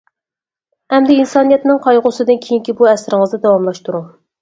ئەمدى ئىنسانىيەتنىڭ قايغۇسى دىن كېيىنكى بۇ ئەسىرىڭىزنى داۋاملاشتۇرۇڭ.